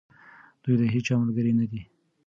دوی د هیچا ملګري نه دي.